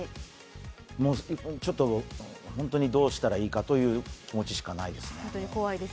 ちょっと、本当にどうしたらいいかという気持ちしかないですね。